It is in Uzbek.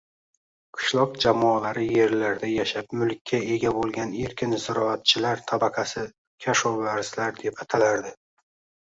Qishloq jamoalari yerlarida yashab, mulkka ega bo‘lgan erkin ziroatchilar tabaqasi kashovarzlar deb atalardi.